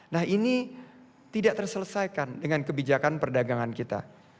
nah ini tidak terselesaikan dengan kebijakan perdagangan kita